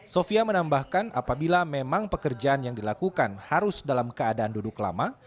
sofia menambahkan apabila memang pekerjaan yang dilakukan harus dalam keadaan duduk lama